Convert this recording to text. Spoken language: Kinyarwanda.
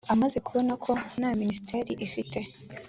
amaze kubona ko nka minisitiri ufite